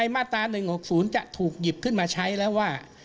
มาตรา๑๖๐จะถูกหยิบขึ้นมาใช้แล้วว่า